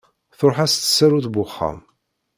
Truḥ-as tsarut n uxxam.